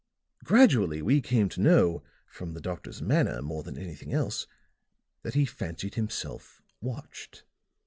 "Gradually we came to know, from the doctor's manner more than anything else, that he fancied himself watched.